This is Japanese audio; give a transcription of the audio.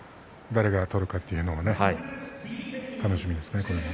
誰が取るかというのも楽しみですね、これも。